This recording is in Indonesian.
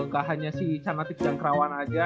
gak hanya si charlatans dan kerawan aja